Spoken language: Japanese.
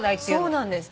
そうなんです。